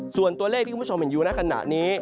ส่วนตัวเลขที่คุณผู้ชมเห็นอยู่ในขณะนี้